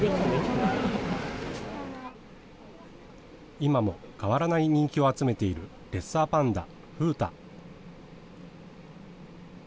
今も変わらない人気を集めているレッサーパンダ、風太。